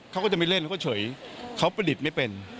เขาก็จะไม่เล่นเขาก็เฉยเขาประดิษฐ์ไม่เป็น